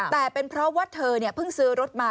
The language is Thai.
แต่เป็นเพราะว่าเธอเพิ่งซื้อรถมา